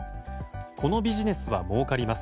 このビジネスはもうかります。